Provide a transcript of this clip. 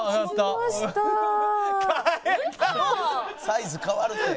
サイズ変わるって。